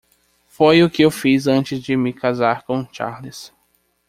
Foi o que eu fiz antes de me casar com o Charles.